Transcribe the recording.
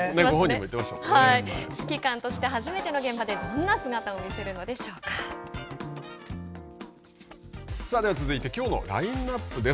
指揮官として初めての現場ででは続いてきょうのラインナップです。